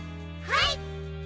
はい！